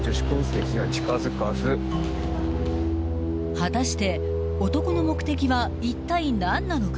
［果たして男の目的はいったい何なのか？］